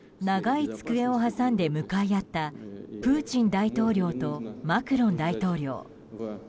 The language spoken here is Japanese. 長い机を挟んで向かい合ったプーチン大統領とマクロン大統領。